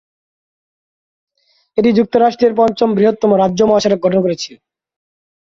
এটি যুক্তরাষ্ট্রের পঞ্চম বৃহত্তম রাজ্য মহাসড়ক গঠন করেছে।